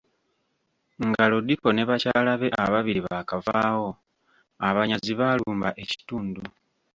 Nga Lodipo ne bakyala be ababiri baakavaawo, abanyazi baalumba ekitundu.